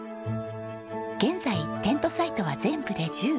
現在テントサイトは全部で１０。